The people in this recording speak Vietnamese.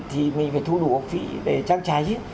thì mình phải thu đủ học phí để trang trải